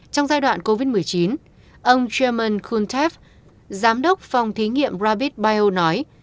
trong giai đoạn covid một mươi chín ông chairman kuntev giám đốc phòng thí nghiệm rapidbio nói